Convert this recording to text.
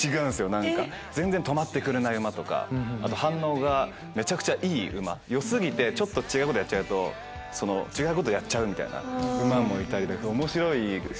何か全然止まってくれない馬とかあと反応がめちゃくちゃいい馬良過ぎてちょっと違うことやっちゃうと違うことやっちゃうみたいな馬もいたりとかおもしろいし。